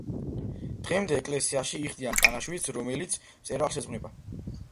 დღემდე ეკლესიაში იხდიან პანაშვიდს, რომელიც მწერალს ეძღვნება.